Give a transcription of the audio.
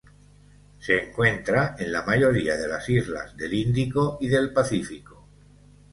Se encuentra en la mayoría de las islas del Índico y del Pacífico.